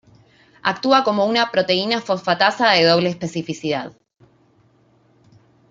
Actúa como una proteína fosfatasa de doble especificidad.